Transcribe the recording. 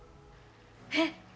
えっ？